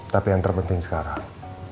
tapi yang terpenting sekarang